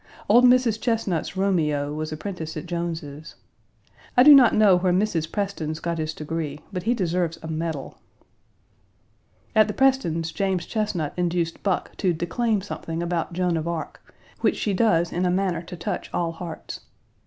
Old Mrs. Chesnut's Romeo was apprenticed at Jones's. I do not know where Mrs. Preston's got his degree, but he deserves a medal. At the Prestons', James Chesnut induced Buck to declaim something about Joan of Arc, which she does in a manner to touch all hearts.